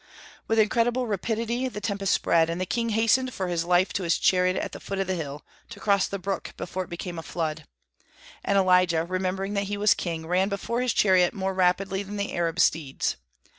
With incredible rapidity the tempest spread, and the king hastened for his life to his chariot at the foot of the hill, to cross the brook before it became a flood; and Elijah, remembering that he was king, ran before his chariot more rapidly than the Arab steeds.